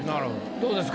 どうですか？